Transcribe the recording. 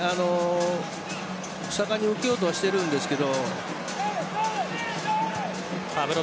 盛んに受けようとしているんですけれど。